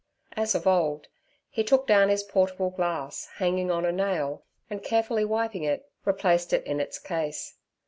As of old, he took down his portable glass hanging on a nail, and carefully wiping it, replaced it in its case.